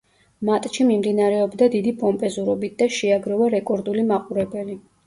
მატჩი მიმდინარეობდა დიდი პომპეზურობით და შეაგროვა რეკორდული მაყურებელი.